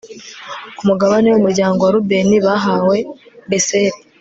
ku mugabane w'umuryango wa rubeni bahawe beseri